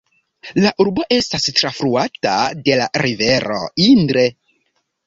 La urbo estas trafluata de la rivero Indre.